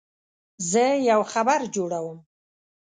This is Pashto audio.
زه یو خبر جوړوم.